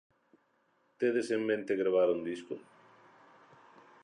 Tedes en mente gravar un disco?